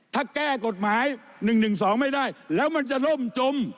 ถ้าแก้กฎหมาย๑๑๒ไม่ได้แล้วมันจะล่มจม